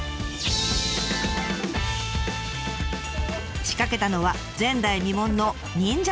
仕掛けたのは前代未聞の忍者ツアー？